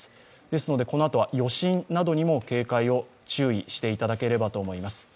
ですのでこのあとは余震などにも警戒を注意していただければと思います。